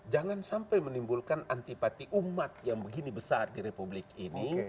jangan sampai menimbulkan antipati umat yang begini besar di republik ini